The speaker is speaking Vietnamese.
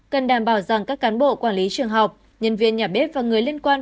cần đảm bảo rằng các cán bộ quản lý trường học nhân viên nhà bếp và người liên quan